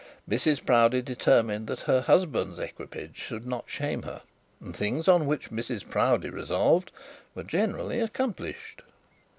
Mrs Proudie determined that her husband's equipage should not shame her, and things on which Mrs Proudie resolved, were generally accomplished.